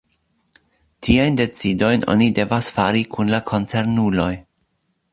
Tiajn decidojn oni devas fari kun la koncernuloj.